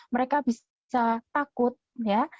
mereka bisa takut ya